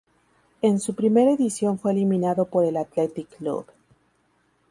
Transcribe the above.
En su primera edición fue eliminado por el Athletic Club.